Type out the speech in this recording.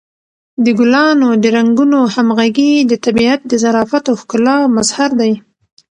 د ګلانو د رنګونو همغږي د طبیعت د ظرافت او ښکلا مظهر دی.